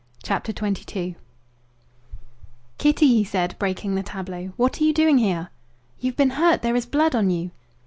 CHAPTER XXII "Kitty," he said, breaking the tableau, "what are you doing here?" "You've been hurt! There is blood on you!"